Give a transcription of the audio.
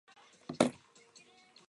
He has a nephew and two nieces.